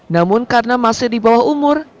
namun karena masih di bawah umur